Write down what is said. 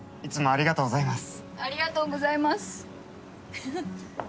ありがとうございます。